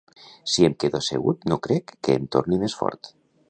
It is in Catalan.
Si em quedo assegut no crec que em torni més fort.